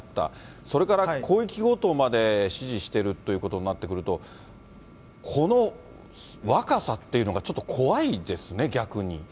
それから広域強盗まで指示してるということになってくると、この若さっていうのがちょっと怖いですね、逆に。